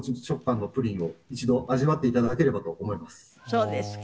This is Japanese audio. そうですか。